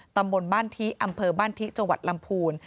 ตำบลบ้านทิอำเภอบ้านทิจังหวัดลำพูน